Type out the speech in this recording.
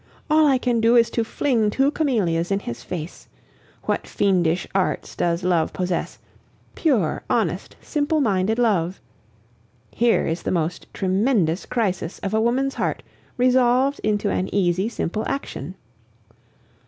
All I can do is to fling two camellias in his face. What fiendish arts does love possess pure, honest, simple minded love! Here is the most tremendous crisis of a woman's heart resolved into an easy, simple action.